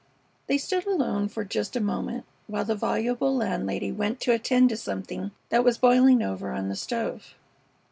They stood alone for just a moment while the voluble landlady went to attend to something that was boiling over on the stove.